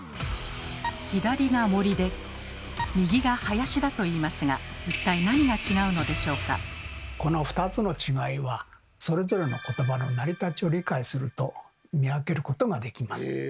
左が森で右が林だといいますが一体この２つの違いはそれぞれのことばの成り立ちを理解すると見分けることができます。